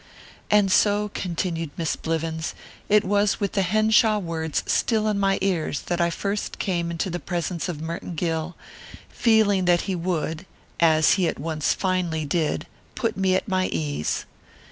"And so," continued Miss Blivens, "it was with the Henshaw words still in my ears that I first came into the presence of Merton Gill, feeling that he would as he at once finely did put me at my ease.